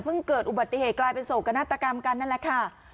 เกิดอุบัติเหตุกลายเป็นโศกนาฏกรรมกันนั่นแหละค่ะ